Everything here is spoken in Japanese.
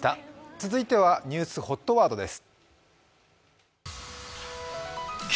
続いてはニュースＨＯＴワードです。